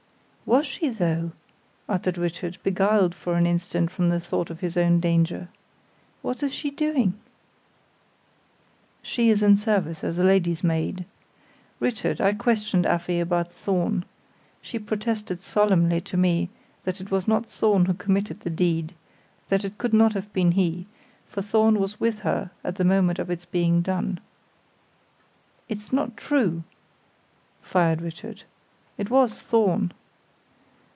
"Was she, though?" uttered Richard, beguiled for an instant from the thought of his own danger. "What is she doing?" "She is in service as a lady's maid. Richard, I questioned Afy about Thorn. She protested solemnly to me that it was not Thorn who committed the deed that it could not have been he, for Thorn was with her at the moment of its being done." "It's not true!" fired Richard. "It was Thorn."